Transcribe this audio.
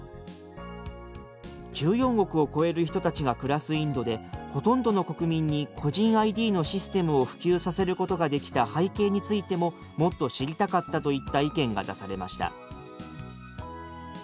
「１４億を超える人たちが暮らすインドでほとんどの国民に個人ＩＤのシステムを普及させることができた背景についてももっと知りたかった」といった意見が出されました。